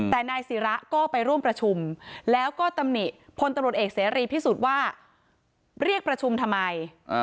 แต่นายศิระก็ไปร่วมประชุมแล้วก็ตำหนิพลตำรวจเอกเสรีพิสุทธิ์ว่าเรียกประชุมทำไม